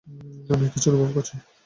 আমিও কিছু অনুভব করছি।